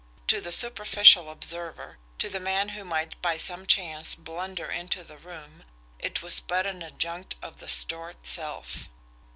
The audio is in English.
To the superficial observer, to the man who might by some chance blunder into the room it was but an adjunct of the store itself!